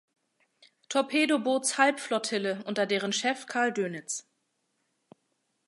Torpedobootshalbflottille unter deren Chef Karl Dönitz.